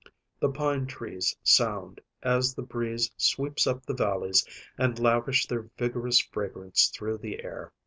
The pine trees sound, as the breeze sweeps up the valleys, and lavish their vigorous fragrance through the air.